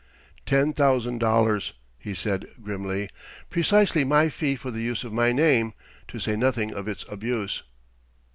"Ten thousand dollars," he said grimly "precisely my fee for the use of my name to say nothing of its abuse!"